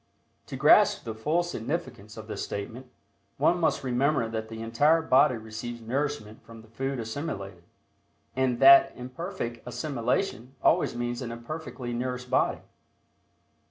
To grasp the full significance of this statement, one must remember that the entire body receives nourishment from the food assimilated, and that imperfect assimilation always means an imperfectly nourished body.